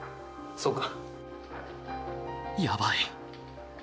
そうか。